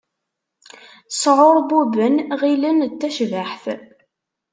Sɛurbuben, ɣillen d tacbaḥt.